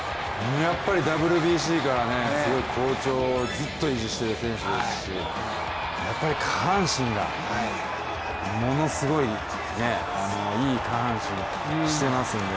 やっぱりＷＢＣからすごい好調をずっと維持している選手ですしやっぱり下半身がものすごいいい下半身してますんで。